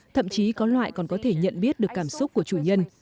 thậm chí có loại còn có thể nhận biết được cảm xúc của chủ nhân